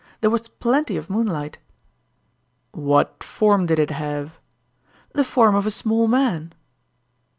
There was plenty of moonlight." "What form did it have?" "The form of a small man."